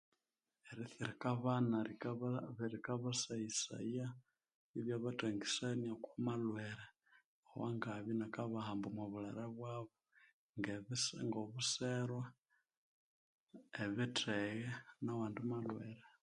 Eritsirika abana rika basaghisaya, ibyabathangisania okwa malhwere awangabya inakabahamba omwa bulere bwabo nge ebi ngo obuserwa, ebitheghe nawandi malhwere.